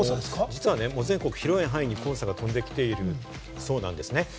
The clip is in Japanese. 実はね、全国広い範囲に黄砂が飛んできているということなんですね。